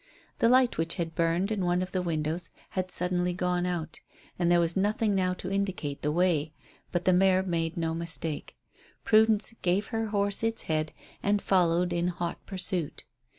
The light which had burned in one of the windows had suddenly gone out, and there was nothing now to indicate the way, but the mare made no mistake. Prudence gave her horse its head and followed in hot pursuit.